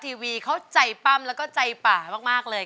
เสียงเก่งของคุณและข้ามเพลงนี้ไปเลย